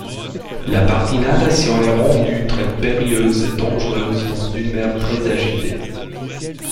La partie natation est rendu très périlleuse et dangereuse dans une mer très agitée.